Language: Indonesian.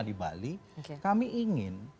di bali kami ingin